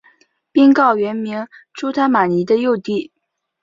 宾告原名朱他玛尼的幼弟。